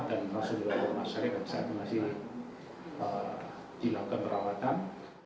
dan langsung di rumah sakit saat masih dilakukan perawatan